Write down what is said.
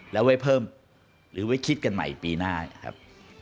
แล้วไว้เพิ่มหรือไว้คิดกันใหม่ปีหน้านะครับ